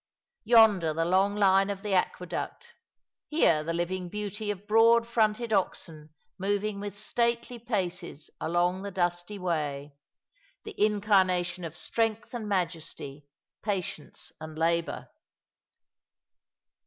Yonder the long line of the aqueduct; here the living beauty of broad fronted oxen moving with stately paces along the dusty way, the incarnation of strength and majesty, patience and labour.